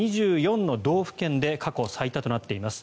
２４の道府県で過去最多となっています。